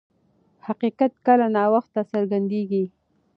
حقیقت کله ناوخته څرګندیږي.